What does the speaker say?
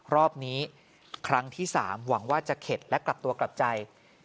รอบนี้ครั้งที่๓หวังว่าจะเข็ดและกลับตัวกลับใจ